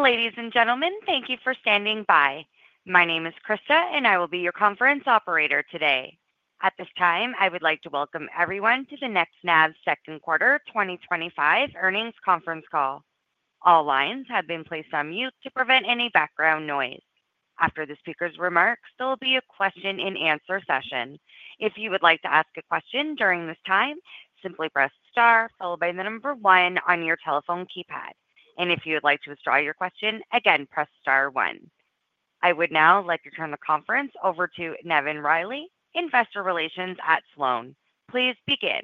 Ladies and gentlemen, thank you for standing by. My name is Krista, and I will be your conference operator today. At this time, I would like to welcome everyone to the NextNav Second Quarter 2025 Earnings Conference Call. All lines have been placed on mute to prevent any background noise. After the speaker's remarks, there will be a question and answer session. If you would like to ask a question during this time, simply press star, followed by the number one on your telephone keypad. If you would like to withdraw your question, again, press star one. I would now like to turn the conference over to Nevin Reilly, Investor Relations at Sloane. Please begin.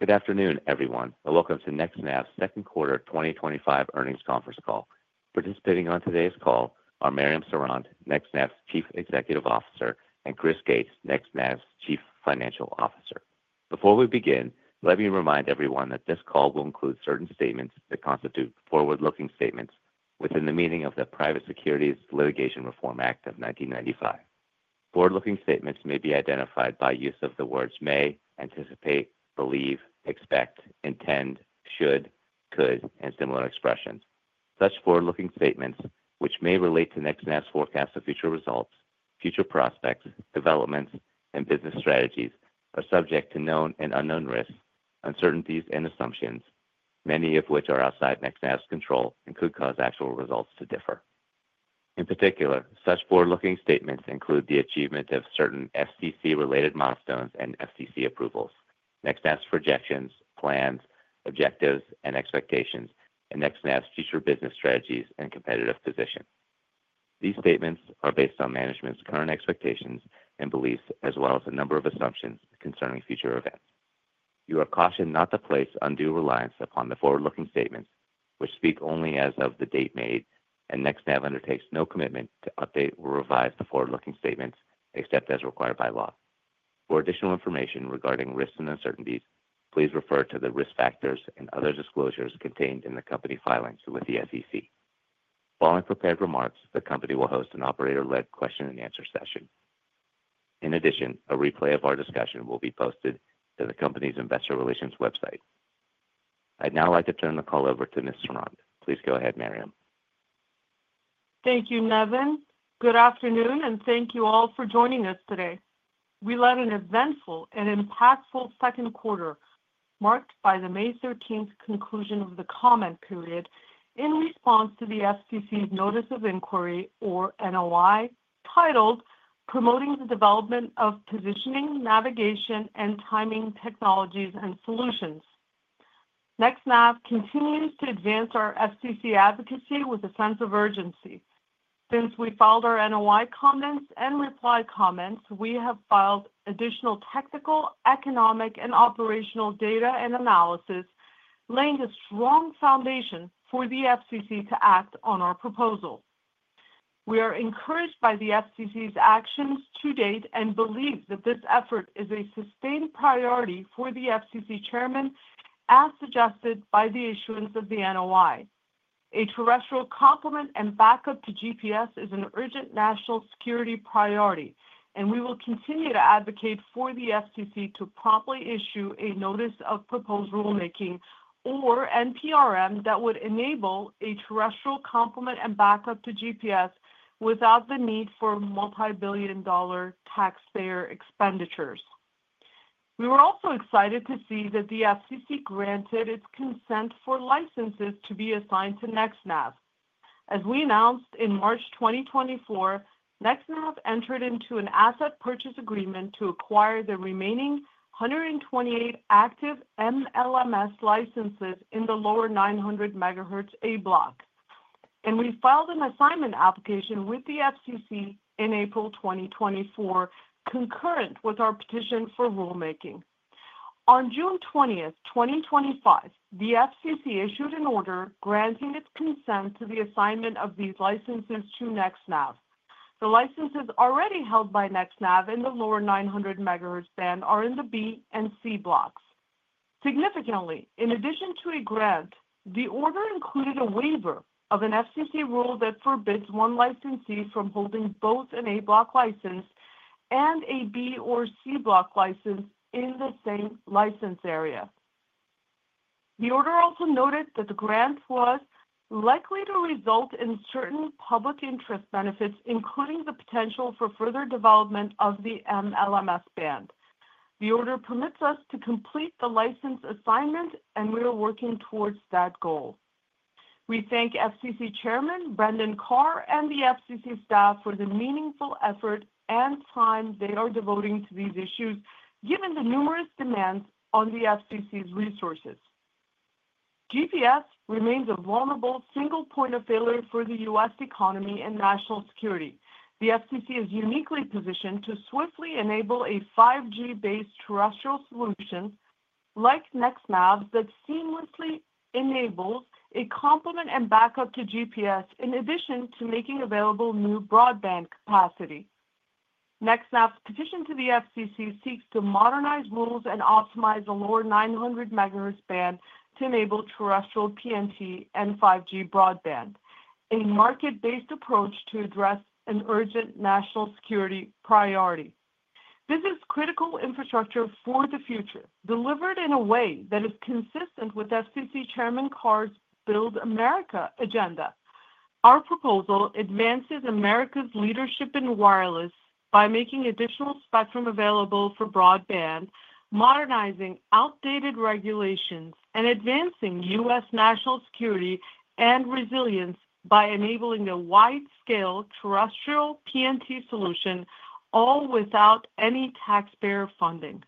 Good afternoon, everyone, and welcome to NextNav's Second Quarter 2025 Earnings Conference Call. Participating on today's call are Mariam Sorond, NextNav's Chief Executive Officer, and Chris Gates, NextNav's Chief Financial Officer. Before we begin, let me remind everyone that this call will include certain statements that constitute forward-looking statements within the meaning of the Private Securities Litigation Reform Act of 1995. Forward-looking statements may be identified by use of the words may, anticipate, believe, expect, intend, should, could, and similar expressions. Such forward-looking statements, which may relate to NextNav's forecast of future results, future prospects, developments, and business strategies, are subject to known and unknown risks, uncertainties, and assumptions, many of which are outside NextNav's control and could cause actual results to differ. In particular, such forward-looking statements include the achievement of certain SEC-related milestones and SEC approvals, NextNav's projections, plans, objectives, and expectations, and NextNav's future business strategies and competitive position. These statements are based on management's current expectations and beliefs, as well as a number of assumptions concerning future events. You are cautioned not to place undue reliance upon the forward-looking statements, which speak only as of the date made, and NextNav undertakes no commitment to update or revise the forward-looking statements except as required by law. For additional information regarding risks and uncertainties, please refer to the risk factors and other disclosures contained in the company filings with the SEC. Following prepared remarks, the company will host an operator-led question and answer session. In addition, a replay of our discussion will be posted to the company's Investor Relations website. I'd now like to turn the call over to Ms. Sorond. Please go ahead, Mariam. Thank you, Nevin. Good afternoon, and thank you all for joining us today. We led an eventful and impactful second quarter, marked by the May 13th conclusion of the comment period in response to the FCC's Notice of Inquiry, or NOI, titled "Promoting the Development of Positioning, Navigation, and Timing Technologies and Solutions." NextNav continues to advance our FCC advocacy with a sense of urgency. Since we filed our NOI comments and reply comments, we have filed additional technical, economic, and operational data and analysis, laying a strong foundation for the FCC to act on our proposal. We are encouraged by the FCC's actions to date and believe that this effort is a sustained priority for the FCC Chairman, as suggested by the issuance of the NOI. A terrestrial complement and backup to GPS is an urgent national security priority, and we will continue to advocate for the FCC to promptly issue a Notice of Proposed Rulemaking, or NPRM, that would enable a terrestrial complement and backup to GPS without the need for multi-billion dollar taxpayer expenditures. We were also excited to see that the FCC granted its consent for licenses to be assigned to NextNav. As we announced in March 2024, NextNav entered into an asset purchase agreement to acquire the remaining 128 active M-LMS licenses in the lower 900 MHz A block. We filed an assignment application with the FCC in April 2024, concurrent with our petition for rulemaking. On June 20th, 2025, the FCC issued an order granting its consent to the assignment of these licenses to NextNav. The licenses already held by NextNav in the lower 900 MHz band are in the B and C blocks. Significantly, in addition to a grant, the order included a waiver of an FCC rule that forbids one licensee from holding both an A block license and a B or C block license in the same license area. The order also noted that the grant was likely to result in certain public interest benefits, including the potential for further development of the M-LMS band. The order permits us to complete the license assignment, and we are working towards that goal. We thank FCC Chairman Brendan Carr and the FCC staff for the meaningful effort and time they are devoting to these issues, given the numerous demands on the FCC's resources. GPS remains a vulnerable single point of failure for the U.S. economy and national security. The FCC is uniquely positioned to swiftly enable a 5G-based solution like NextNav that seamlessly enables a complement and backup to GPS, in addition to making available new broadband capacity. NextNav's petition to the FCC seeks to modernize rules and optimize the lower 900 MHz band to enable terrestrial PNT and 5G broadband, a market-based approach to address an urgent national security priority. This is critical infrastructure for the future, delivered in a way that is consistent with FCC Chairman Carr's Build America Agenda. Our proposal advances America's leadership in wireless by making additional spectrum available for broadband, modernizing outdated regulations, and advancing U.S. national security and resilience by enabling a wide-scale terrestrial PNT solution, all without any taxpayer funding.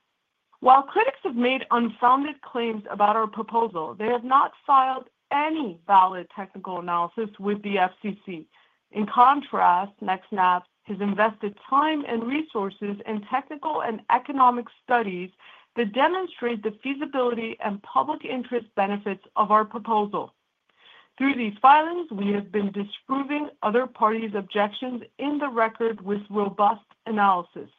While critics have made unfounded claims about our proposal, they have not filed any valid technical analysis with the FCC. In contrast, NextNav has invested time and resources in technical and economic studies that demonstrate the feasibility and public interest benefits of our proposal. Through these filings, we have been disproving other parties' objections in the record with robust analysis.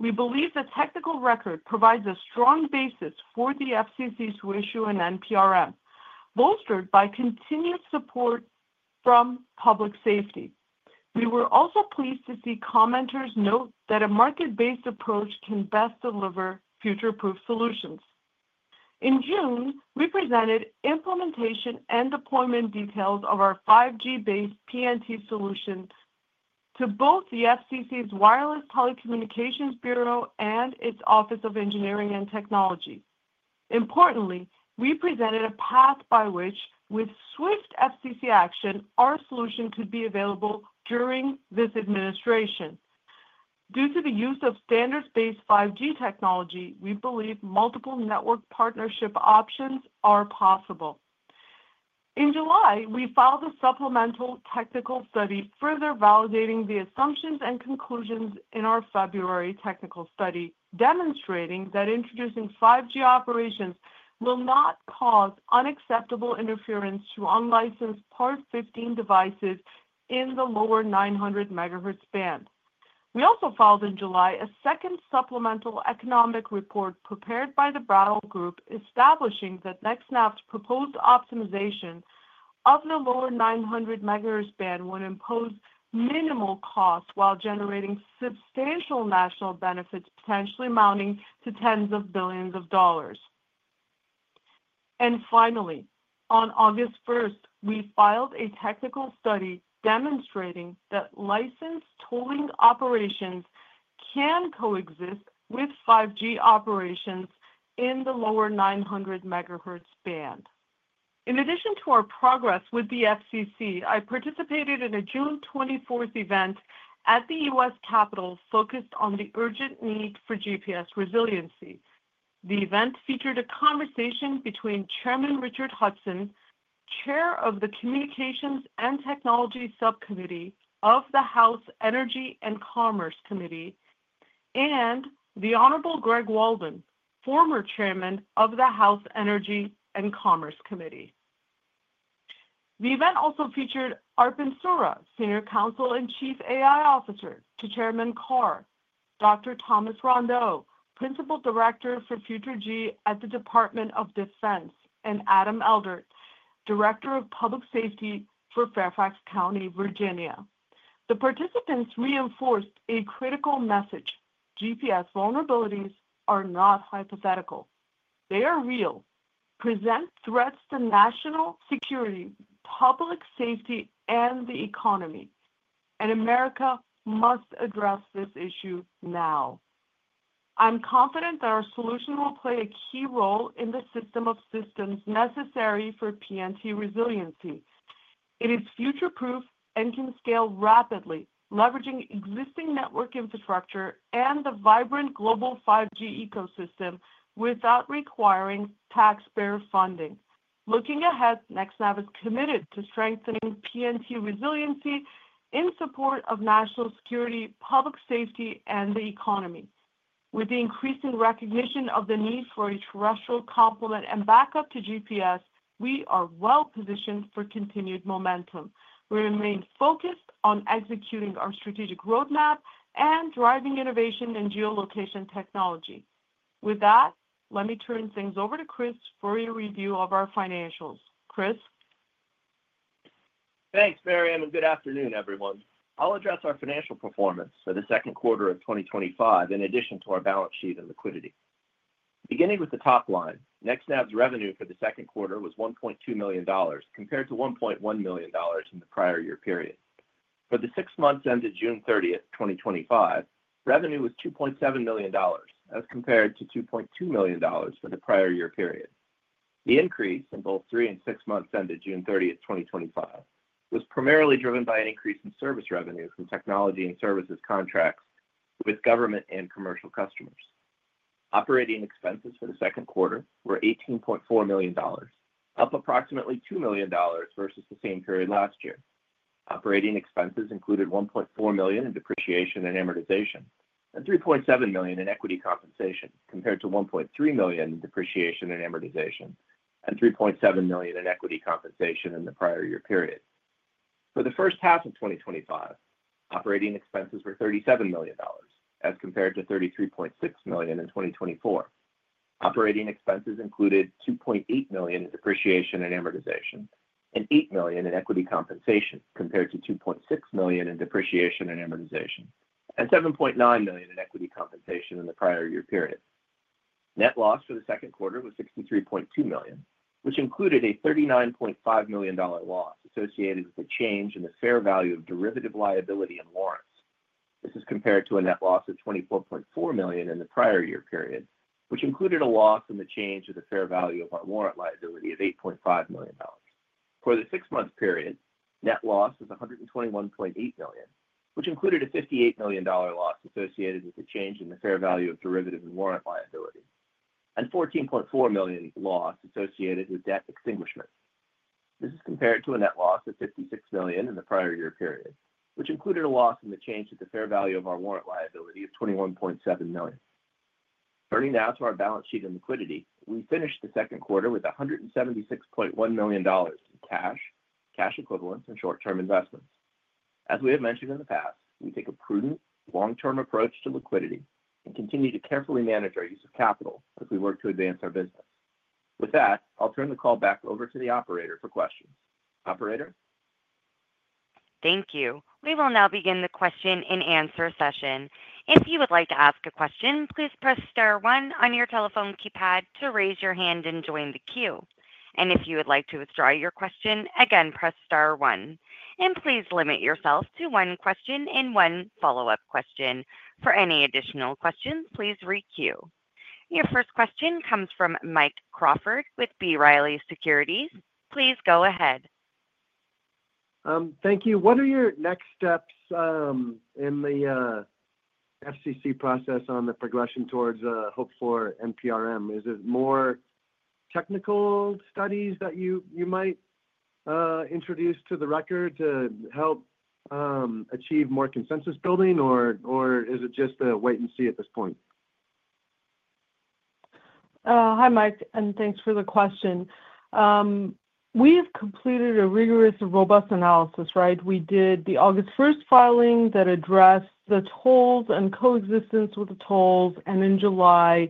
We believe the technical record provides a strong basis for the FCC to issue an NPRM, bolstered by continued support from public safety. We were also pleased to see commenters note that a market-based approach can best deliver future-proof solutions. In June, we presented implementation and deployment details of our 5G-based PNT solution to both the FCC's Wireless Telecommunications Bureau and its Office of Engineering and Technology. Importantly, we presented a path by which, with swift FCC action, our solution could be available during this administration. Due to the use of standards-based 5G technology, we believe multiple network partnership options are possible. In July, we filed a supplemental technical study, further validating the assumptions and conclusions in our February technical study, demonstrating that introducing 5G operations will not cause unacceptable interference to unlicensed Part 15 devices in the lower 900 MHz band. We also filed in July a second supplemental economic report prepared by The Brattle Group, establishing that NextNav's proposed optimization of the lower 900 MHz band would impose minimal costs while generating substantial national benefits, potentially amounting to tens of billions of dollars. Finally, on August 1st, we filed a technical study demonstrating that licensed tolling operations can coexist with 5G operations in the lower 900 MHz band. In addition to our progress with the FCC, I participated in a June 24th event at the U.S. Capitol focused on the urgent need for GPS resiliency. The event featured a conversation between Chairman Richard Hudson, Chair of the Communications and Technology Subcommittee of the House Energy and Commerce Committee, and the Honorable Greg Walden, former Chairman of the House Energy and Commerce Committee. The event also featured Arpan Sura, Senior Counsel and Chief AI Officer to Chairman Carr, Dr. Thomas Rondeau, Principal Director for FutureG at the Department of Defense, and Adam Eldert, Director of Public Safety for Fairfax County, Virginia. The participants reinforced a critical message: GPS vulnerabilities are not hypothetical. They are real. They present threats to national security, public safety, and the economy. America must address this issue now. I'm confident that our solution will play a key role in the system of systems necessary for PNT resiliency. It is future-proof and can scale rapidly, leveraging existing network infrastructure and the vibrant global 5G ecosystem without requiring taxpayer funding. Looking ahead, NextNav is committed to strengthening PNT resiliency in support of national security, public safety, and the economy. With the increasing recognition of the need for a terrestrial complement and backup to GPS, we are well-positioned for continued momentum. We remain focused on executing our strategic roadmap and driving innovation in geolocation technology. With that, let me turn things over to Chris for a review of our financials. Chris? Thanks, Mariam, and good afternoon, everyone. I'll address our financial performance for the second quarter of 2025 in addition to our balance sheet and liquidity. Beginning with the top line, NextNav's revenue for the second quarter was $1.2 million compared to $1.1 million in the prior year period. For the six months ended June 30, 2025, revenue was $2.7 million as compared to $2.2 million for the prior year period. The increase in both three and six months ended June 30, 2025, was primarily driven by an increase in service revenues from technology and services contracts with government and commercial customers. Operating expenses for the second quarter were $18.4 million, up approximately $2 million versus the same period last year. Operating expenses included $1.4 million in depreciation and amortization and $3.7 million in equity compensation, compared to $1.3 million in depreciation and amortization and $3.7 million in equity compensation in the prior year period. For the first half of 2025, operating expenses were $37 million as compared to $33.6 million in 2024. Operating expenses included $2.8 million in depreciation and amortization and $8 million in equity compensation, compared to $2.6 million in depreciation and amortization and $7.9 million in equity compensation in the prior year period. Net loss for the second quarter was $63.2 million, which included a $39.5 million loss associated with a change in the fair value of derivative liability and warrants. This is compared to a net loss of $24.4 million in the prior year period, which included a loss in the change of the fair value of warrant liability of $8.5 million. For the six-month period, net loss was $121.8 million, which included a $58 million loss associated with the change in the fair value of derivative and warrant liability and $14.4 million loss associated with debt extinguishment. This is compared to a net loss of $56 million in the prior year period, which included a loss in the change of the fair value of our warrant liability of $21.7 million. Turning now to our balance sheet and liquidity, we finished the second quarter with $176.1 million in cash, cash equivalents, and short-term investments. As we have mentioned in the past, we take a prudent, long-term approach to liquidity and continue to carefully manage our use of capital as we work to advance our business. With that, I'll turn the call back over to the operator for questions. Operator? Thank you. We will now begin the question and answer session. If you would like to ask a question, please press star one on your telephone keypad to raise your hand and join the queue. If you would like to withdraw your question, again, press star one. Please limit yourself to one question and one follow-up question. For any additional questions, please re-queue. Your first question comes from Mike Crawford with B. Riley Securities. Please go ahead. Thank you. What are your next steps in the FCC process on the progression towards a hope for NPRM? Is it more technical studies that you might introduce to the record to help achieve more consensus building, or is it just a wait and see at this point? Hi, Mike, and thanks for the question. We have completed a rigorous and robust analysis, right? We did the August 1 filing that addressed the tolls and coexistence with the tolls, and in July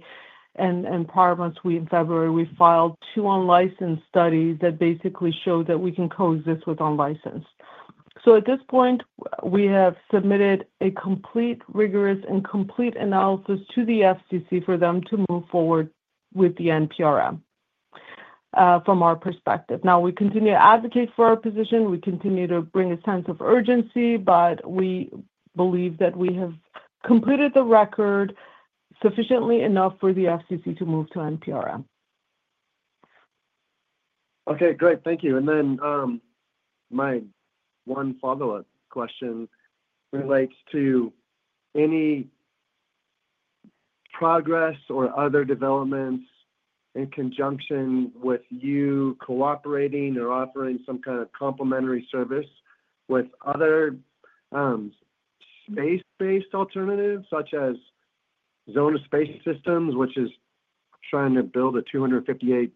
and prior months, in February, we filed two unlicensed studies that basically showed that we can coexist with unlicensed. At this point, we have submitted a complete, rigorous, and complete analysis to the FCC for them to move forward with the NPRM from our perspective. We continue to advocate for our position. We continue to bring a sense of urgency, but we believe that we have completed the record sufficiently enough for the FCC to move to NPRM. Okay, great. Thank you. My one follow-up question relates to any progress or other developments in conjunction with you cooperating or offering some kind of complementary service with other space-based alternatives, such as Xona Space Systems, which is trying to build a 258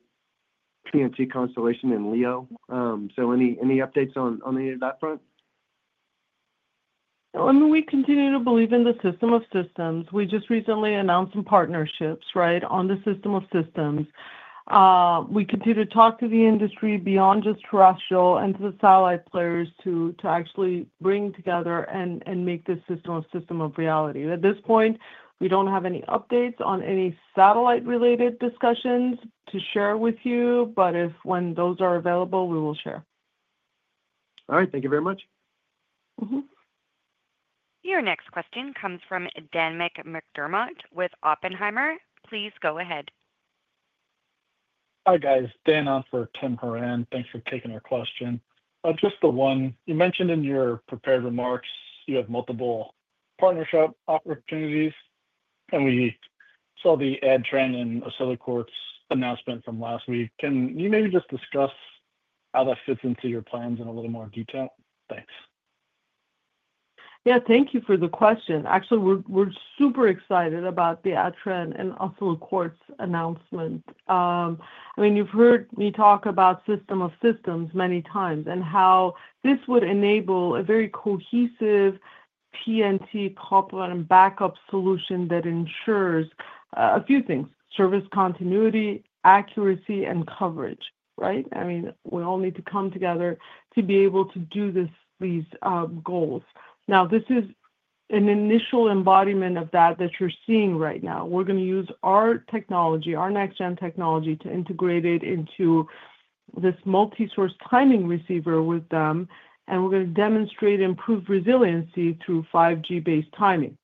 PNT constellation in LEO. Any updates on any of that front? We continue to believe in the system of systems. We just recently announced some partnerships, right, on the system of systems. We continue to talk to the industry beyond just terrestrial and to the satellite players to actually bring together and make this system a system of reality. At this point, we don't have any updates on any satellite-related discussions to share with you, but if when those are available, we will share. All right. Thank you very much. Your next question comes from Dan McDermott with Oppenheimer. Please go ahead. Hi, guys. Dan on for Tim Horan. Thanks for taking our question. Just the one, you mentioned in your prepared remarks you have multiple partnership opportunities, and we saw the Adtran and Oscilloquartz announcement from last week. Can you maybe just discuss how that fits into your plans in a little more detail? Thanks. Yeah, thank you for the question. Actually, we're super excited about the Adtran and Oscilloquartz announcement. I mean, you've heard me talk about system of systems many times and how this would enable a very cohesive PNT complement and backup solution that ensures a few things: service continuity, accuracy, and coverage, right? I mean, we all need to come together to be able to do this, these goals. Now, this is an initial embodiment of that that you're seeing right now. We're going to use our technology, our next-gen technology, to integrate it into this multi-source timing receiver with them, and we're going to demonstrate improved resiliency through 5G-based timing.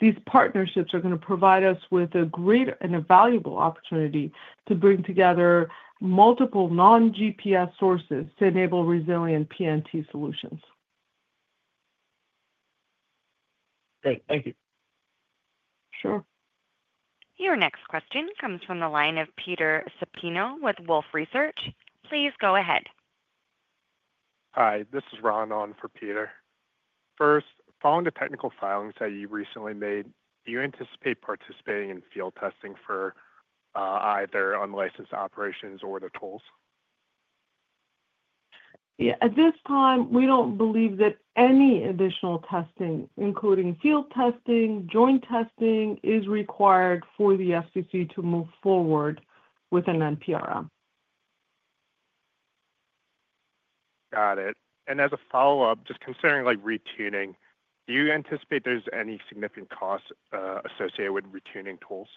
These partnerships are going to provide us with a great and a valuable opportunity to bring together multiple non-GPS sources to enable resilient PNT solutions. Great. Thank you. Sure. Your next question comes from the line of Peter Supino with Wolfe Research. Please go ahead. Hi, this is Ron on for Peter. First, following the technical filings that you recently made, do you anticipate participating in field testing for either unlicensed operations or the tolls? At this time, we don't believe that any additional testing, including field testing or joint testing, is required for the FCC to move forward with an NPRM. Got it. As a follow-up, just considering retuning, do you anticipate there's any significant costs associated with retuning tools?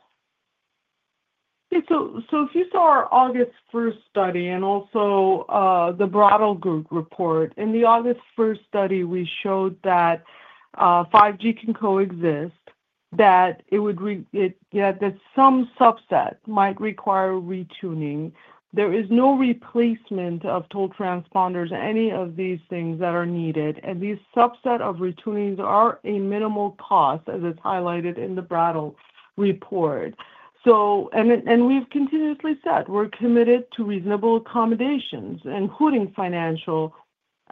If you saw our August 1st study and also The Brattle Group report, in the August 1st study, we showed that 5G can coexist, that it would, yeah, that some subset might require retuning. There is no replacement of toll transponders or any of these things that are needed, and these subsets of retunings are a minimal cost, as it's highlighted in The Brattle report. We've continuously said we're committed to reasonable accommodations, including financial,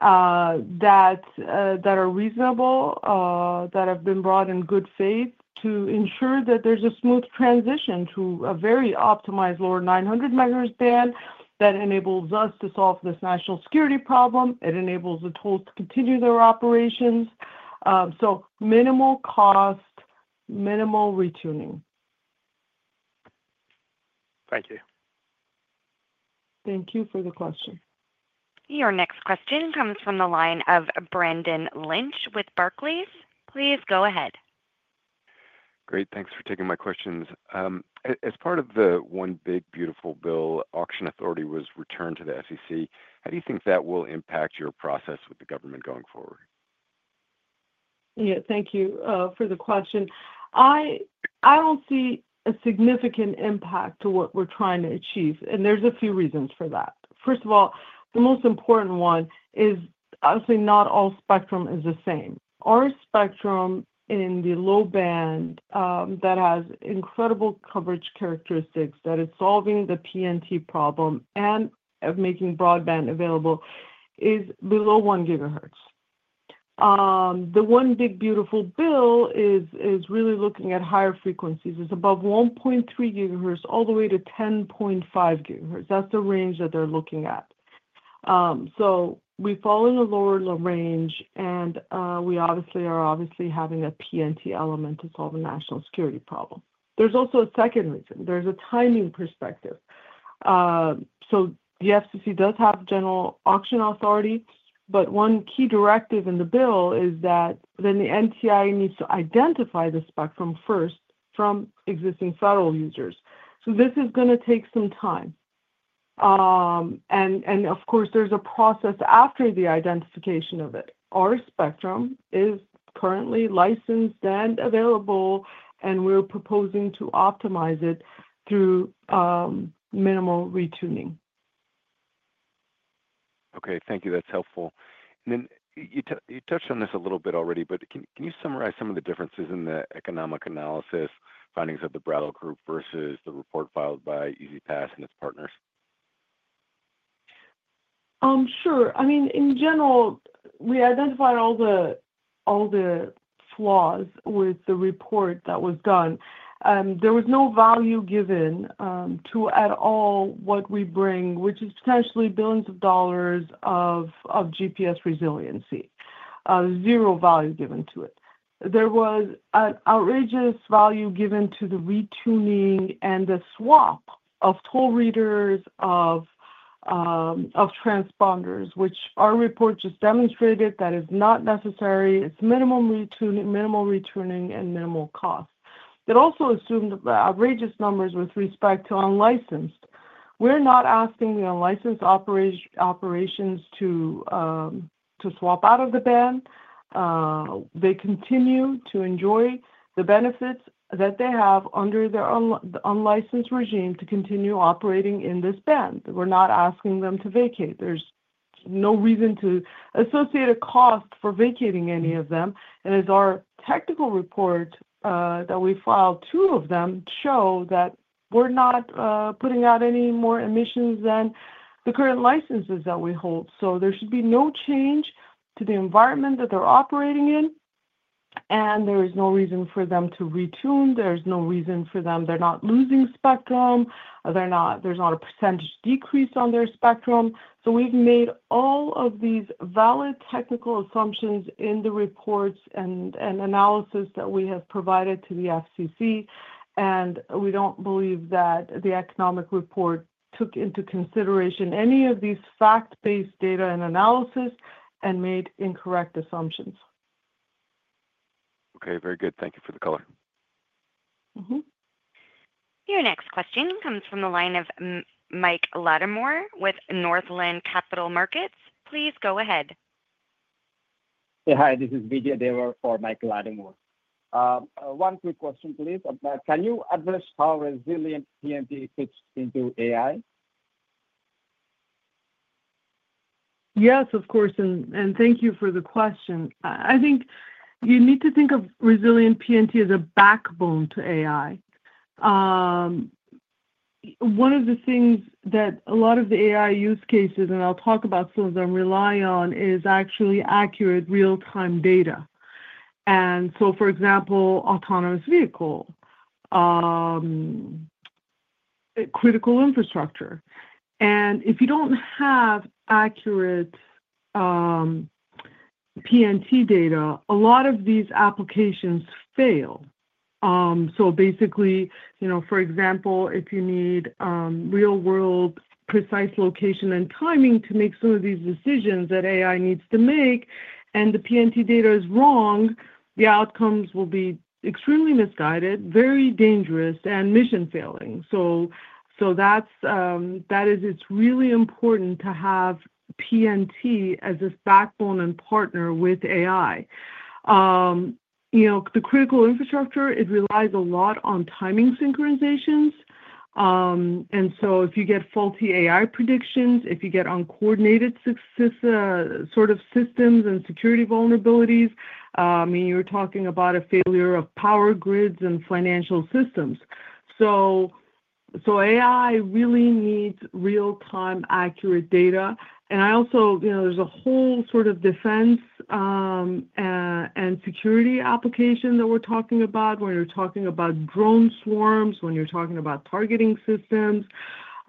that are reasonable, that have been brought in good faith to ensure that there's a smooth transition to a very optimized lower 900 MHz band that enables us to solve this national security problem. It enables the tolls to continue their operations. Minimal cost, minimal retuning. Thank you. Thank you for the question. Your next question comes from the line of Brendan Lynch with Barclays. Please go ahead. Great. Thanks for taking my questions. As part of the One Big Beautiful Bill, auction authority was returned to the FCC. How do you think that will impact your process with the government going forward? Yeah, thank you for the question. I don't see a significant impact to what we're trying to achieve, and there's a few reasons for that. First of all, the most important one is, obviously, not all spectrum is the same. Our spectrum in the low band that has incredible coverage characteristics, that is solving the PNT problem and making broadband available, is below 1 GHz. The one big beautiful bill is really looking at higher frequencies. It's above 1.3 GHz all the way to 10.5 GHz. That's the range that they're looking at. We fall in the lower range, and we obviously are having a PNT element to solve a national security problem. There's also a second reason. There's a timing perspective. The FCC does have general auction authority, but one key directive in the bill is that the NTIA needs to identify the spectrum first from existing federal users. This is going to take some time. Of course, there's a process after the identification of it. Our spectrum is currently licensed and available, and we're proposing to optimize it through minimal retuning. Okay. Thank you. That's helpful. You touched on this a little bit already, but can you summarize some of the differences in the economic analysis findings of The Brattle Group versus the report filed by E-ZPass and its partners? Sure. In general, we identified all the flaws with the report that was done. There was no value given at all to what we bring, which is potentially billions of dollars of GPS resiliency. There's zero value given to it. There was an outrageous value given to the retuning and the swap of toll readers of transponders, which our report just demonstrated is not necessary. It's minimal retuning and minimal cost. It also assumed outrageous numbers with respect to unlicensed. We're not asking the unlicensed operations to swap out of the band. They continue to enjoy the benefits that they have under their unlicensed regime to continue operating in this band. We're not asking them to vacate. There's no reason to associate a cost for vacating any of them. As our technical report that we filed, two of them show that we're not putting out any more emissions than the current licenses that we hold. There should be no change to the environment that they're operating in, and there is no reason for them to retune. There's no reason for them. They're not losing spectrum. There's not a percentage decrease on their spectrum. We've made all of these valid technical assumptions in the reports and analysis that we have provided to the FCC, and we don't believe that the economic report took into consideration any of these fact-based data and analysis and made incorrect assumptions. Okay. Very good. Thank you for the color. Your next question comes from the line of Mike Latimore with Northland Capital Markets. Please go ahead. Yeah, hi. This is Vijay Devar for Mike Latimore. One quick question, please. Can you address how resilient PNT fits into AI? Yes, of course. Thank you for the question. I think you need to think of resilient PNT as a backbone to AI. One of the things that a lot of the AI use cases, and I'll talk about some of them, rely on is actually accurate real-time data. For example, autonomous vehicle, critical infrastructure. If you don't have accurate PNT data, a lot of these applications fail. Basically, for example, if you need real-world precise location and timing to make some of these decisions that AI needs to make, and the PNT data is wrong, the outcomes will be extremely misguided, very dangerous, and mission-failing. It is really important to have PNT as this backbone and partner with AI. The critical infrastructure relies a lot on timing synchronizations. If you get faulty AI predictions, if you get uncoordinated sort of systems and security vulnerabilities, you're talking about a failure of power grids and financial systems. AI really needs real-time, accurate data. There's a whole sort of defense and security application that we're talking about when you're talking about drone swarms, when you're talking about targeting systems,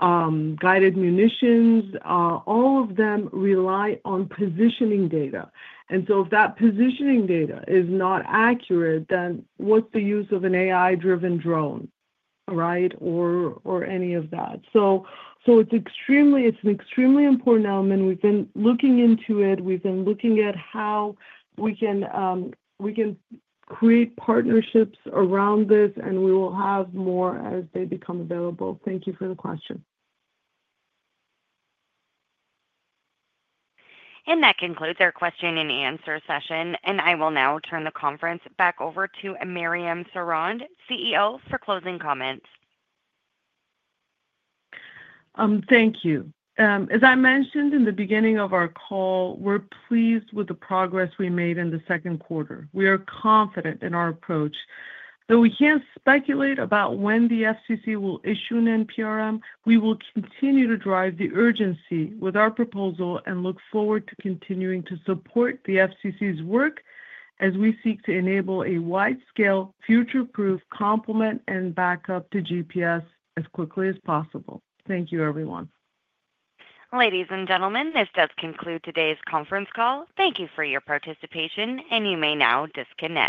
guided munitions. All of them rely on positioning data. If that positioning data is not accurate, then what's the use of an AI-driven drone, right, or any of that? It's an extremely important element. We've been looking into it. We've been looking at how we can create partnerships around this, and we will have more as they become available. Thank you for the question. That concludes our question and answer session. I will now turn the conference back over to Mariam Sorond, CEO, for closing comments. Thank you. As I mentioned in the beginning of our call, we're pleased with the progress we made in the second quarter. We are confident in our approach. Though we can't speculate about when the FCC will issue an NPRM, we will continue to drive the urgency with our proposal and look forward to continuing to support the FCC's work as we seek to enable a wide-scale, future-proof complement and backup to GPS as quickly as possible. Thank you, everyone. Ladies and gentlemen, this does conclude today's conference call. Thank you for your participation, and you may now disconnect.